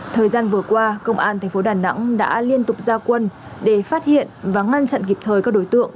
thời gian vừa qua công an tp đà nẵng đã liên tục giao quân để phát hiện và ngăn chặn kịp thời các đối tượng